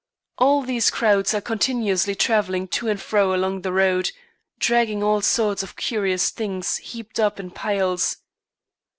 All these crowds are continuously travelling to and fro along the road, dragging all sorts of curious things heaped up in piles.